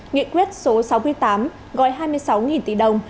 nghị quyết số sáu mươi tám gói hai mươi sáu tỷ đồng